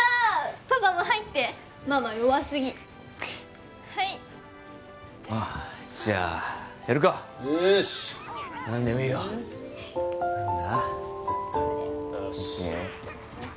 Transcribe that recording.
パパも入ってママ弱すぎはいああじゃあやるかよし何でもいいよ何だ？